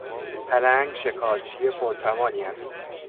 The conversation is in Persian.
پلنگ شکارچی پرتوانی است.